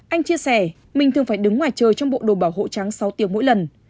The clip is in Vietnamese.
anh chia sẻ mình thường phải đứng ngoài trời trong bộ đồ bảo hộ trắng sáu tiếng mỗi lần